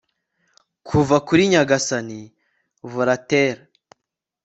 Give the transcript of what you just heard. Kuva kuri nyagasani Volaterræ